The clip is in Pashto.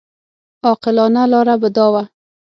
عاقلانه لاره به دا وه.